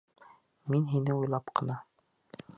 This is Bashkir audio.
Мин һине уйлап ҡына.